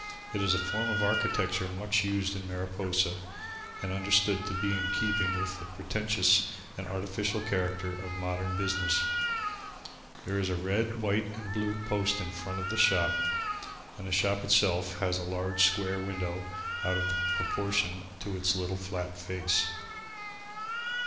It is a form of architecture much used in Mariposa and understood to be in keeping with the pretentious and artificial character of modern business. There is a red, white and blue post in front of the shop and the shop itself has a large square window out of proportion to its little flat face.